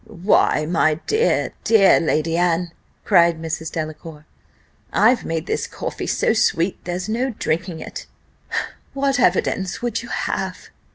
"Why, my dear, dear Lady Anne," cried Mrs. Delacour "I've made this coffee so sweet, there's no drinking it what evidence would you have?"